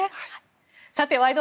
さて「ワイド！